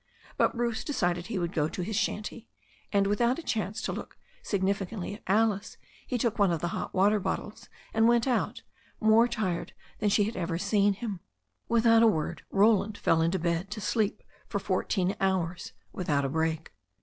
But Bruce decided he would go to his shanty, and, with out a chance to look significantly at Alice, he took one of the hot bottles and went out, more tired than she had ever seen him. Without a word Roland fell into bed to sleep for four teen hours without a break.